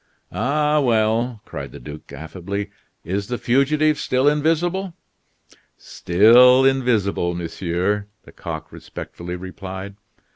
"Ah, well!" cried the duke, affably, "is the fugitive still invisible?" "Still invisible, monsieur," Lecoq respectfully replied.